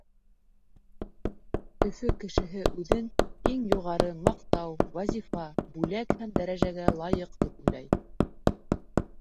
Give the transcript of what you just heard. Өфө кешеһе үҙен иң юғары маҡтау, вазифа, бүләк һәм дәрәжәгә лайыҡ тип уйлай.